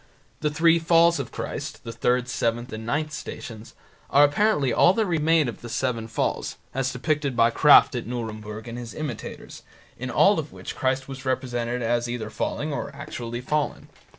The three falls of Christ (third, seventh, and ninth Stations) are apparently all that remain of the Seven Falls, as depicted by Krafft at Nuremburg and his imitators, in all of which Christ was represented as either falling or actually fallen.